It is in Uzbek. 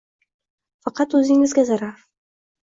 Faqat o’zingizga zarar